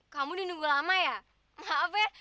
kamu di nunggu lama ya maaf ya